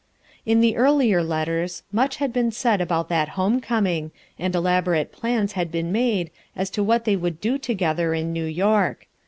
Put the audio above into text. In the earlier letters much had been said about that home coming, and elaborate plana had been made m to what they would do to gether in New York.